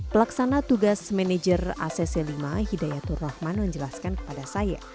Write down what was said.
pelaksana tugas manajer acc lima hidayatul rahman menjelaskan kepada saya